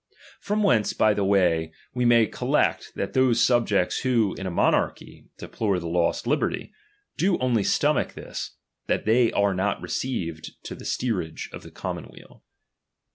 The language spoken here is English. I From whence, by the way, we may collect, that I those subjects who in a monarchy deplore their I lost liberty, do only stomach this, that they are I not received to the steerage of the commonweal.